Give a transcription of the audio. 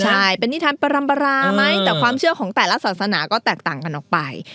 ใช่เป็นนิทานปรัมปราไหมแต่ความเชื่อของแต่ละศาสนาก็แตกต่างกันออกไป